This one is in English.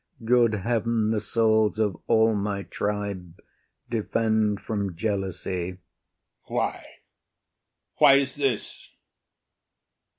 Good heaven, the souls of all my tribe defend From jealousy! OTHELLO. Why, why is this?